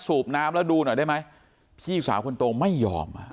สูบน้ำแล้วดูหน่อยได้ไหมพี่สาวคนโตไม่ยอม